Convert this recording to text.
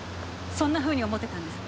そんなふうに思ってたんですか。